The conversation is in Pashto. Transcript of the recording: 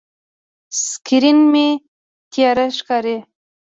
سکرین مې تیاره ښکاري.